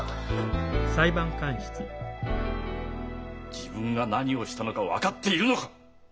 自分が何をしたのか分かっているのか！